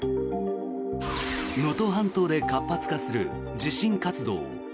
能登半島で活発化する地震活動。